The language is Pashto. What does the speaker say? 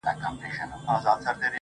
• د ښكلي سولي يوه غوښتنه وكړو.